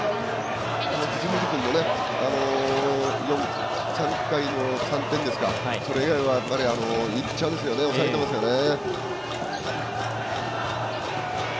藤本君の３回の３点以外はいいピッチャーですよね抑えてますよね。